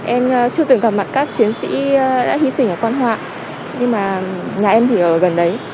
em chưa từng gặp mặt các chiến sĩ đã hy sinh ở quan họ nhưng mà nhà em thì ở gần đấy